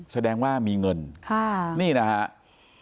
แสดงว่ามีเงินนี่นะครับ